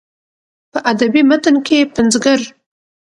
په ادبي متن کې پنځګر